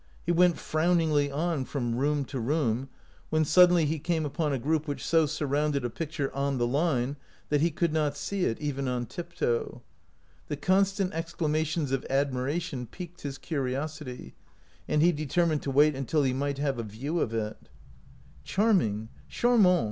He went frowningly on from room to room, when suddenly he came upon a group which so surrounded a picture " on the line " that he could not see it, even on tiptoe. The constant exclamations of admiration piqued his curiosity, and he de termined to wait until he might have a view of it. 185 OUT OF BOHEMIA "Charming! Charmant!"